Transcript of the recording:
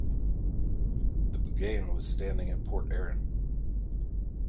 The Buggane was standing at Port Erin.